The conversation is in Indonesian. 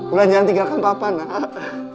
udah jangan tinggalkan papa nak